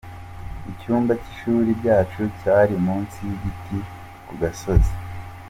Icyumba cy’ishuri ryacu cyari munsi y’igiti ku gasozi.